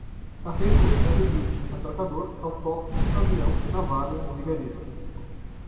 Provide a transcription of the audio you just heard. arrêglo, arribite, atracador, autópsia, avião, navalha, vigarista